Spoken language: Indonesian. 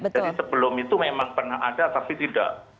jadi sebelum itu memang pernah ada tapi tidak